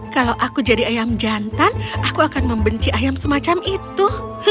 kalau aku jadi ayam jantan aku akan membenci ayam semacam itu